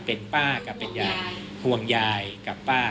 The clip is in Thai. เป็นป้ากับเป็นยายห่วงยายกับป้า